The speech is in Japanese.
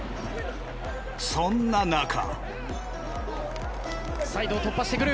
そんな中。